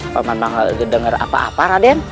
paman mau dengar apa apa raden